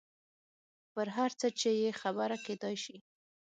پر هر څه یې خبره کېدای شي.